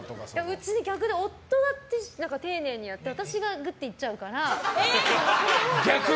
うち逆で、夫は丁寧にやって私がグッといっちゃうから。